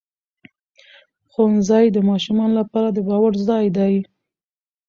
ښوونځی د ماشومانو لپاره د باور ځای دی